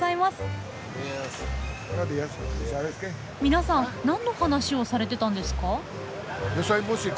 皆さん何の話をされてたんですか？